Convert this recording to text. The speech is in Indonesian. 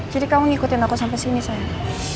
jadi kamu ngikutin aku sampai sini sayang